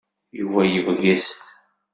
Yuba yebges.